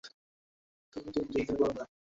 তখন তিনি যোগ দেন কর্নেয়ায়।